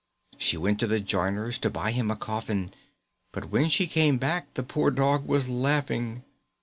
She went to the joiner's To buy him a coffin, But when she came back The poor Dog was laughing.